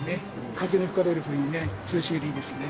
風に吹かれる風鈴、涼しげでいいですよね。